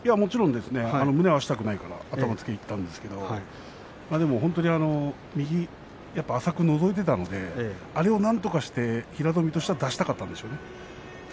胸を合わせたくないから、頭をつけにいったんですけれど右を浅くのぞかせていましたのでそれをなんとかして平戸海としては出したかったんですね。